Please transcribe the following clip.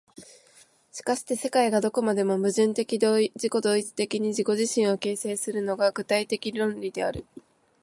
しかして世界がどこまでも矛盾的自己同一的に自己自身を形成するのが、具体的論理である。